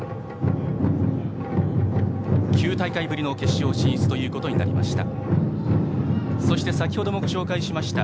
９大会ぶりの決勝進出となりました。